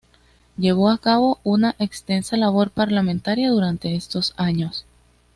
Llevó a cabo una extensa labor parlamentaria durante estos años.